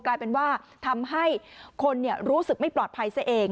กลายเป็นว่าทำให้คนรู้สึกไม่ปลอดภัยซะเอง